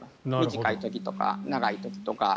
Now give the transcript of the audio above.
短い時とか長い時とか。